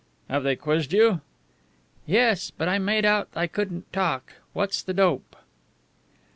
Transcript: "Have they quizzed you?" "Yes, but I made out I couldn't talk. What's the dope?"